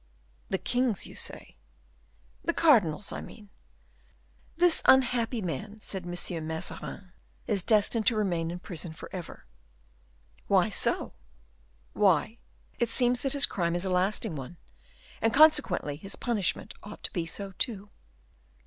"The king's, you say." "The cardinal's, I mean. 'This unhappy man,' said M. Mazarin, 'is destined to remain in prison forever.'" "Why so?" "Why, it seems that his crime is a lasting one; and, consequently, his punishment ought to be so, too."